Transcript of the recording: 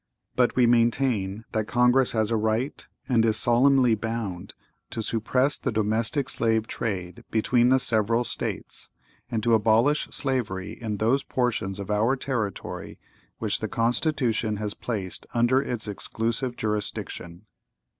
(¶ 31) But we maintain that Congress has a right, and is solemnly bound, to suppress the domestic slave trade between the several States, and to abolish slavery in those portions of our territory which the Constitution has placed under its exclusive jurisdiction.